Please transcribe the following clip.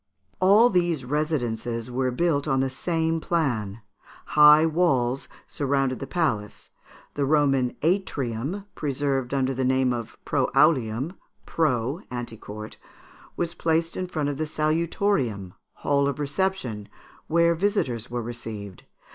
All these residences were built on the same plan. High walls surrounded the palace. The Roman atrium, preserved under the name of proaulium (preau, ante court), was placed in front of the salutorium (hall of reception), where visitors were received.